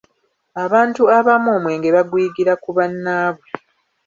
Abantu abamu omwenge baguyigira ku bannaabwe.